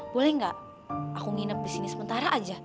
boleh gak aku nginep disini sementara aja